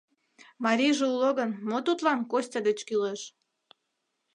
Марийже уло гын, мо тудлан Костя деч кӱлеш?